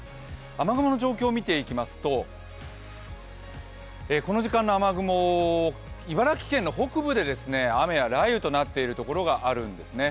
雨雲の状況を見ていきますと、茨城県の北部で雨や雷雨となっている所があるんですね。